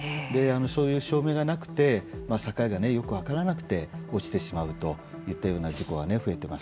そういう照明がなくて境がよく分からなくて落ちてしまうといったような事故が増えてます。